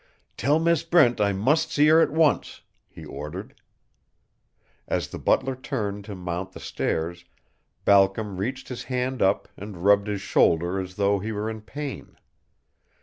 "Tell Miss Brent I must see her at once," he ordered. As the butler turned to mount the stairs, Balcom reached his hand up and rubbed his shoulder as though he were in pain.